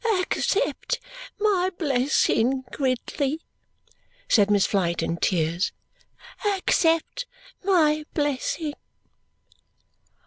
"Accept my blessing, Gridley," said Miss Flite in tears. "Accept my blessing!"